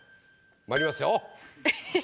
まいりますよ。